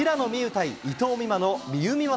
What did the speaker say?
対伊藤美誠のみうみま